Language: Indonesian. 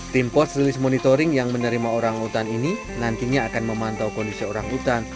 tim pos rilis monitoring yang menerima orangutan ini nantinya akan memantau kondisi orangutan